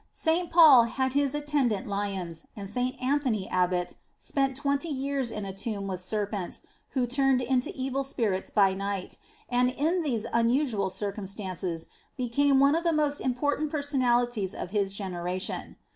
St. Paul had his attendant lions, and St. Anthony Abbot spent twenty years in a tomb with serpents who turned into evil INTRODUCTION xxiii spirits by night, and, in these unusual circumstances, be came one of the most important personalities of his gene ration.